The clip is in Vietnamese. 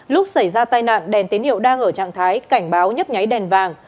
lúc xảy ra tai nạn đèn tín hiệu đang ở trạng thái cảnh báo nhấp nháy đèn vàng